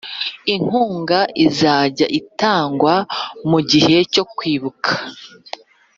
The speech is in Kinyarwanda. inkunga izajya itangwa mu gihe cyo Kwibuka